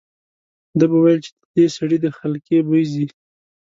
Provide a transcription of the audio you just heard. ده به ویل چې د دې سړي د خلقي بوی ځي.